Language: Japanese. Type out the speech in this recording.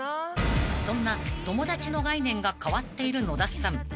［そんな友達の概念が変わっている野田さん］